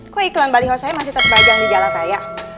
kok iklan baliho saya masih terbajang di jalan saya